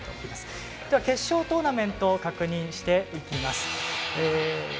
決勝トーナメントを確認していきます。